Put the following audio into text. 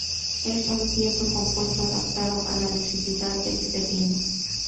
Es un pienso compuesto adaptado a la necesidad del felino.